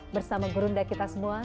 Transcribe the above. bersama berunda kita semua